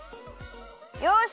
よし！